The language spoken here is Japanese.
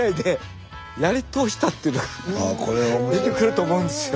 あこれは出てくると思うんですよ。